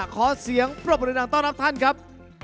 ขอเสียงปรบปรินาต้อนรับท่านครับ